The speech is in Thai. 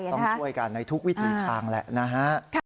ต้องช่วยกันในทุกวิถีทางแหละนะฮะ